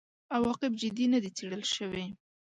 عواقب جدي نه دي څېړل شوي.